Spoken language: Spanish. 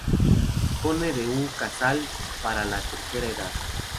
Dispone de un casal para la tercera edad.